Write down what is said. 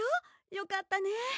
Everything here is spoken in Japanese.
よかったね